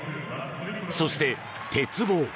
そして、鉄棒。